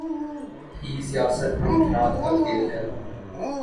ہی سیاست ممکنات کا کھیل ہے۔